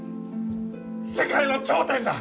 世界の頂点だ！